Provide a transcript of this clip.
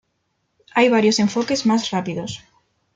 Hay varios enfoques más rápidos.